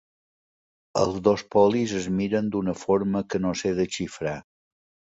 Els dos polis es miren d'una forma que no sé desxifrar.